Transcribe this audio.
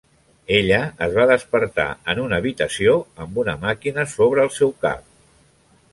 Ella es va despertar en una habitació amb una màquina sobre el seu cap.